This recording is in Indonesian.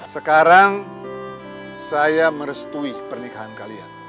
sekarang saya merestui pernikahan kalian